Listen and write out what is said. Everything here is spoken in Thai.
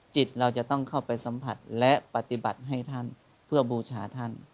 จิตเราจะต้องเข้าไปสัมผัสและปฏิบัติให้ท่านเพื่อบูชาท่าน